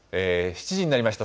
７時になりました。